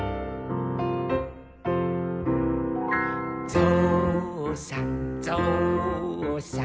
「ぞうさんぞうさん」